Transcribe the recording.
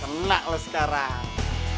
kena lo sekarang